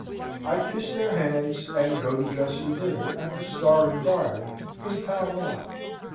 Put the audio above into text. I kiss their hands, and go to dress for dinner, at the Star and Garter, in Pall Mall.